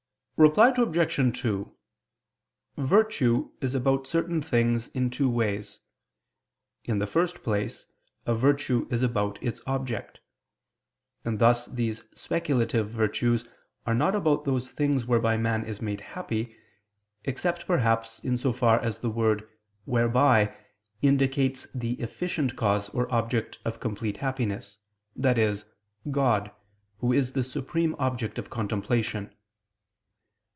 Reply Obj. 2: Virtue is about certain things in two ways. In the first place a virtue is about its object. And thus these speculative virtues are not about those things whereby man is made happy; except perhaps, in so far as the word "whereby" indicates the efficient cause or object of complete happiness, i.e. God, Who is the supreme object of contemplation.